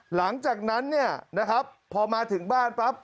หลังจากนั้นเนี่ยนะครับพอมาถึงบ้านปั๊บ